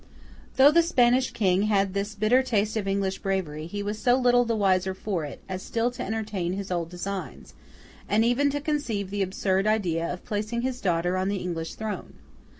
Though the Spanish king had had this bitter taste of English bravery, he was so little the wiser for it, as still to entertain his old designs, and even to conceive the absurd idea of placing his daughter on the English throne.